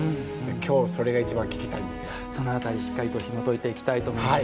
今日、それがそのあたりしっかりとひもといていきたいと思います。